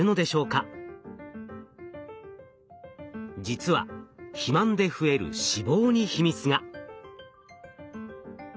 実は肥満で増える脂肪に秘密が。